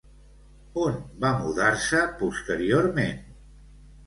On va mudar-se posteriorment?